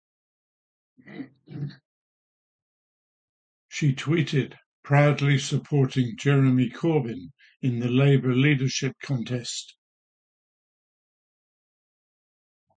She tweeted: Proudly supporting Jeremy Corbyn in the Labour leadership contest.